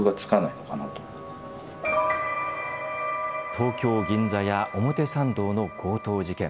「東京・銀座や表参道の強盗事件。